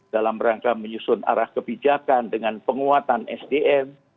dalam rangka menyusun arah kebijakan dengan penguatan sdm